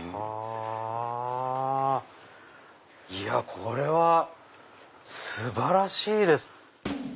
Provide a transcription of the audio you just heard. これは素晴らしいです！